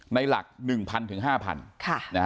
ในหลัก๑๐๐๐ถึง๕๐๐๐นะครับ